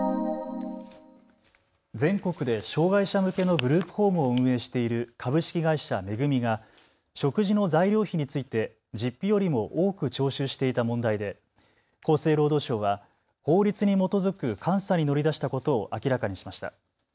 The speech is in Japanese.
全国で障害者向けのグループホームを運営している株式会社恵が食事の材料費について実費よりも多く徴収していた問題で厚生労働省は法律に基づく監査に乗り出したことを明らかにしました。